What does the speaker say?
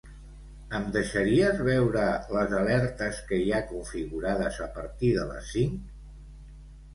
Em deixaries veure les alertes que hi ha configurades a partir de les cinc?